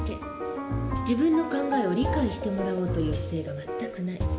自分の考えを理解してもらおうという姿勢が全くない。